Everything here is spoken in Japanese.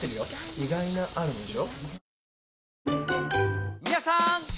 意外なあるものでしょ？